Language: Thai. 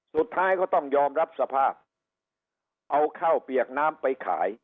สุดท้ายก็ต้องยอมรับสภาพเอาข้าวเปียกน้ำไปขาย